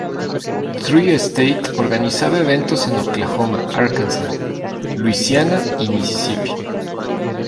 Tri-State organizaba eventos en Oklahoma, Arkansas, Luisiana y Mississippi.